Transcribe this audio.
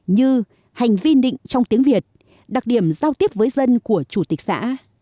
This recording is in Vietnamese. như hành vi định trong tiếng việt đặc điểm giao tiếp với dân của chủ tịch xã